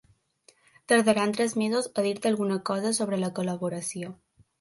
Tardaran tres mesos a dir-te alguna cosa sobre la col·laboració.